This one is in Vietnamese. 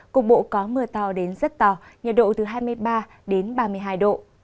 cục bộ có mưa to đến rất to nhiệt độ từ hai mươi ba đến ba mươi hai độ